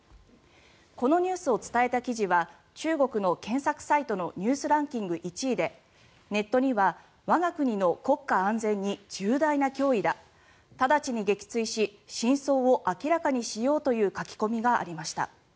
このニュースを伝えた記事は中国の検索サイトのニュースランキング１位でネットには我が国の国家安全に重大な脅威だ直ちに撃墜し真相を明らかにしようという書き込みがありました。